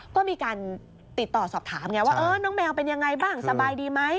ก็มีการติดต่อสอบถามไงว่าน้องแมวเป็นยังไงบ้างสบายดีไหม